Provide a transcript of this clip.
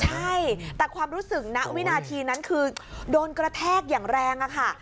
ใช่แต่ความรู้สึกนะวินาทีนั้นคือโดนกระแทกอย่างแรงอะค่ะ